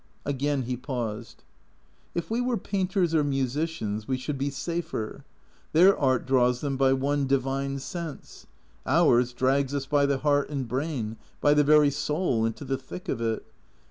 Again he paused. " If we were painters or musicians we should be safer. Their art draws them by one divine sense. Ours drags us by the heart and brain, by the very soul, into the thick of it.